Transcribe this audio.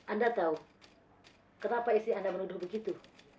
anda tahu kenapa isi anda menuduh begitu